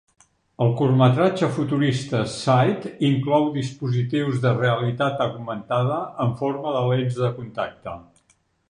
El curtmetratge futurista "Sight" inclou dispositius de realitat augmentada en forma de lents de contacte.